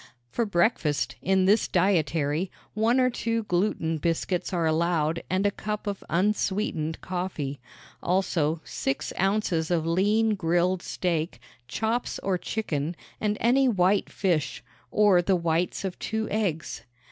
For breakfast, in this dietary, one or two gluten biscuits are allowed and a cup of unsweetened coffee. Also, six ounces of lean grilled steak, chops or chicken, and any white fish or the whites of two eggs.